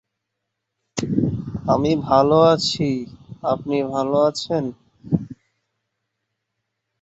প্রতিষ্ঠানের সকল প্রকার প্রোগ্রামে স্কাউট সদস্যরা বিশেষ ভূমিকা পালন করে আসছে।